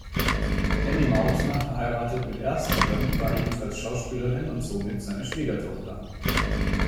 Emmy Mauthner, verheiratet mit ersterem, war ebenfalls Schauspielerin und somit seine Schwiegertochter.